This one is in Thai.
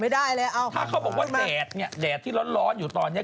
แดดแดดที่ร้อนร้อนอยู่ตอนนี้